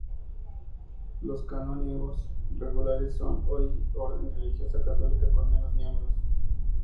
Los canónigos regulares son, hoy, orden religiosa católica con menos miembros.